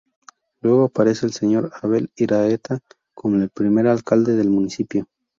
Luego aparece el señor Abel Iraheta como el primer alcalde del municipio.